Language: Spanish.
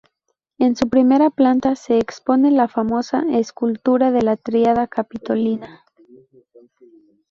En su primera planta se expone la famosa escultura de la Tríada Capitolina.